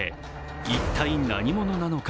一体、何者なのか？